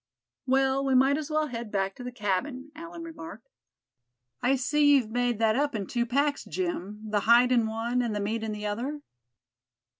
"Well, we might as well head back to the cabin," Allan remarked. "I see you've made that up in two packs, Jim—the hide in one, and the meat in the other?"